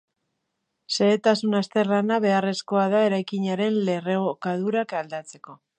Xehetasun azterlana beharrezkoa da eraikinaren lerrokadurak aldatzeko.